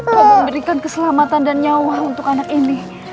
kau memberikan keselamatan dan nyawa untuk anak ini